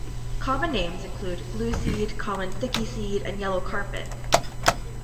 Common names include glue-seed, common stickyseed, and yellow carpet.